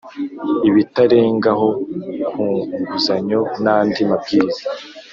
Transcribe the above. ibitarengaho kunguzanyo nandi mabwiriza